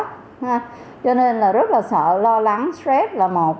cho nên là rất là sợ lo lắng stress là một